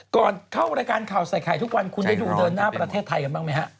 ก่อนเข้ารายการข่าวใส่ไข่ทุกวันคุณได้ดูเดินหน้าประเทศไทยกันบ้างไหมฮะ